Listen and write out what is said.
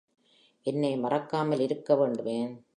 என்னை னக் மறக்காமல் இருங்க வேண்டுமே?